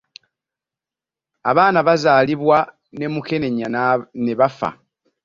Abaana bazaalibwa ne mukenenya n'ebafa.